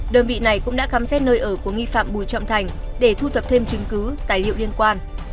đơn vị này cũng đã khám xét nơi ở của nghi phạm bùi trọng thành để thu thập thêm chứng cứ tài liệu liên quan